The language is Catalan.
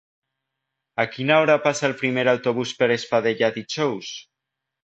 A quina hora passa el primer autobús per Espadella dijous?